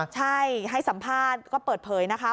ใช่ให้สัมภาษณ์ก็เปิดเผยนะคะ